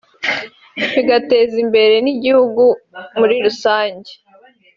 bigateza imbere n’igihugu muri rusange